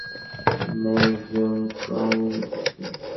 Major crime unit reporting.